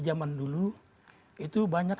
zaman dulu itu banyak